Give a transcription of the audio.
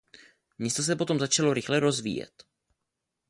Město se potom začalo rychle rozvíjet.